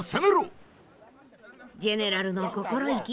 ジェネラルの心意気